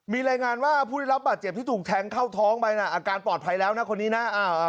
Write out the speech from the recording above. มีรายงานว่าผู้ได้รับบาดเจ็บที่ถูกแทงเข้าท้องไปนะอาการปลอดภัยแล้วนะคนนี้นะ